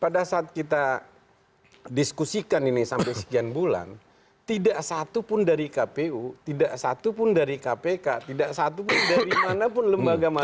pada saat kita diskusikan ini sampai sekian bulan tidak satu pun dari kpu tidak satupun dari kpk tidak satupun dari manapun lembaga manapun